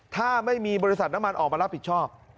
ถ้าไม่มีบริษัทน้ำมันออกมารับผิดชอบ